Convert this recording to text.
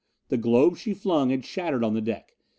The globes she flung had shattered on the deck.